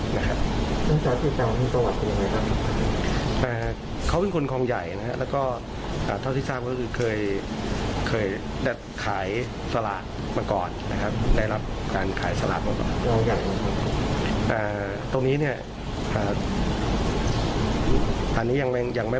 ในชั้นของหลงพรักคิดว่าไม่น่าจะเป็นบำไมที่แสดงนะครับ